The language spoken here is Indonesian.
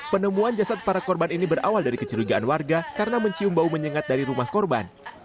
penemuan jasad para korban ini berawal dari kecurigaan warga karena mencium bau menyengat dari rumah korban